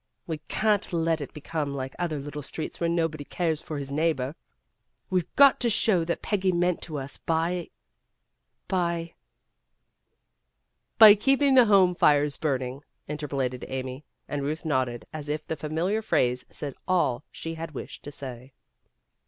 We can't let it become like other little streets where nobody cares for his neighbor. We've got to show what Peggy meant to us by by " "By keeping the home fires burning," inter polated Amy, and Ruth nodded as if the familiar phrase said all she had wished to say.